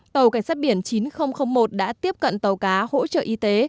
tàu cảnh sát biển chín nghìn một đã tiếp cận tàu cá hỗ trợ y tế